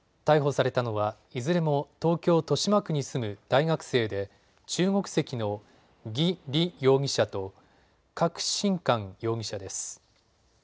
逮捕されたのはいずれも東京豊島区に住む大学生で中国籍の魏莉容疑者とかく津かん容疑者です。